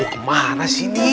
kemana sih ini